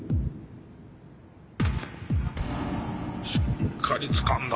しっかりつかんだ。